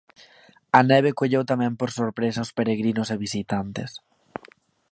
A neve colleu tamén por sorpresa os peregrinos e visitantes.